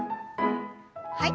はい。